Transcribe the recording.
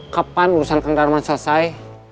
kapan urusan kang darman selesai